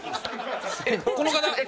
この方。